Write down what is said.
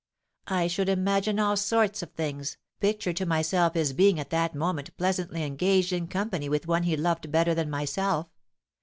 I should imagine all sorts of things, picture to myself his being at that moment pleasantly engaged in company with one he loved better than myself.